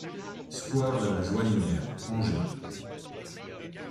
SQUARE DE LA CHOUANIERE, Angers